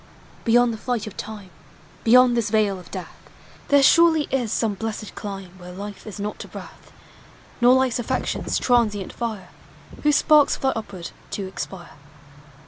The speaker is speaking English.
Beyond the flight of time, Beyond this vale of death. There surely is some blessed elime Where life is not a breath, Nor life's n flections transient fire, Whose sparks fly upward to expire.